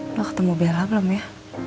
lo ketemu bella belum ya